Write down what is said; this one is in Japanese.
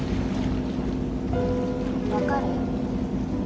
分かる？